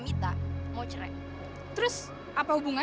minta minta kamu nunggu